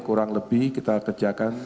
kurang lebih kita kerjakan